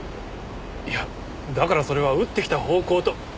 いやだからそれは撃ってきた方向と。